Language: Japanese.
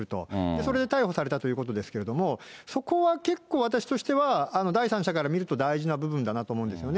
それで逮捕されたということですけれども、そこは結構、私としては第三者から見ると大事な部分だなと思うんですね。